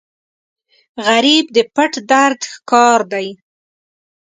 غریب د پټ درد ښکار دی